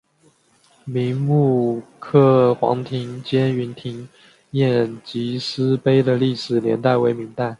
明摹刻黄庭坚云亭宴集诗碑的历史年代为明代。